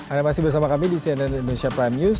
anda masih bersama kami di cnn indonesia prime news